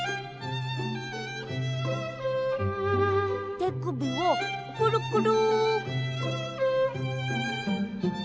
てくびをくるくる。